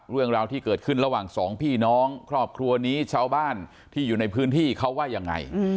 เรื่องราวที่เกิดขึ้นระหว่างสองพี่น้องครอบครัวนี้ชาวบ้านที่อยู่ในพื้นที่เขาว่ายังไง